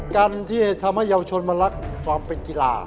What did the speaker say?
การที่ทำให้เยาวชนมารักความเป็นกีฬา